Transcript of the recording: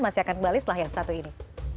masih akan kembali setelah yang satu ini